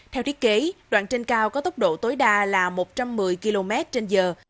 theo thiết kế đoạn trên cao có tốc độ tối đa là một trăm một mươi km trên giờ